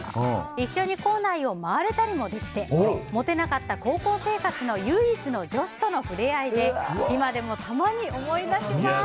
一緒に校内を回れたりもできてモテなかった高校生活の唯一の女子との触れ合いで今でもたまに思い出します。